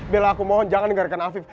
bela aku mohon jangan dengarkan afif